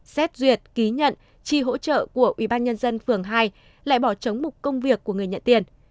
nhật ký nhận chi hỗ trợ của ubnd phường hai lại bỏ trống một công việc của người nhận tiền